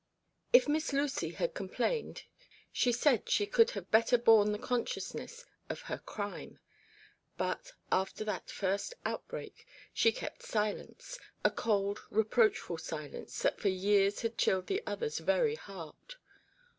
" If Miss Lucy had complained, she said she could have better borne the consciousness of her crime ; but, after that first outbreak, she kept silence, a cold reproachful silence that for years had chilled the other's very heart.